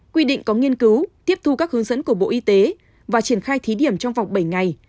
quy định có nghiên cứu tiếp thu các hướng dẫn của bộ y tế và triển khai thí điểm trong vòng bảy ngày